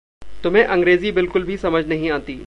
तुम्हें अंग्रेज़ी बिलकुल भी समझ नहीं आती।